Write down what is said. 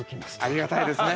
ありがたいですね。